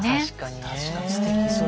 確かにねえ。